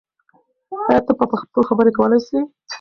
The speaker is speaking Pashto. آیا ته په پښتو خبرې کولای سې؟